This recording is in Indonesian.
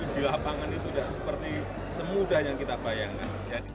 di lapangan itu tidak seperti semudah yang kita bayangkan